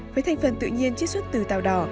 với thành phần tự nhiên chất xuất từ tàu đỏ